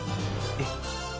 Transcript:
えっ。